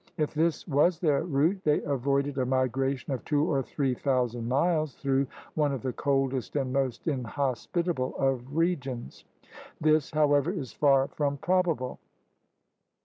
If this was their route, they avoided a migration of two or three thousand miles through one of the coldest and most inhospitable of regions. This, however, is far from probable.